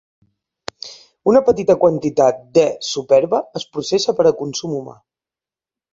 Una petita quantitat d'"E. superba" es processa per a consum humà.